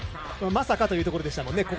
まさかというところでしたね。